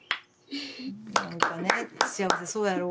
何かね幸せそうやろ？